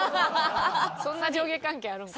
そんな上下関係あるんか。